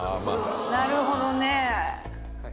なるほどねぇ。